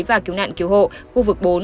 và cứu nạn cứu hộ khu vực bốn